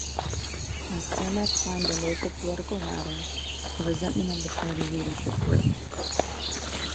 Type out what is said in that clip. As Cermak climbed the local political ladder, the resentment of the Party leadership grew.